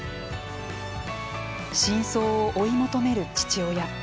真相を追い求める父親。